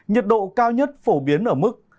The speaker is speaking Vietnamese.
nhiệt độ cao nhất phổ biến ở mức